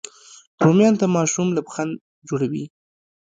رومیان د ماشوم لبخند جوړوي